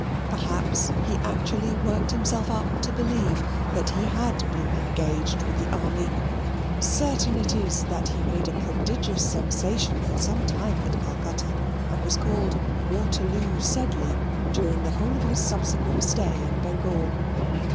Perhaps he actually worked himself up to believe that he had been engaged with the army; certain it is that he made a prodigious sensation for some time at Calcutta, and was called Waterloo Sedley during the whole of his subsequent stay in Bengal.